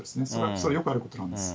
それはよくあることなんです。